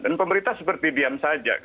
dan pemerintah seperti diam saja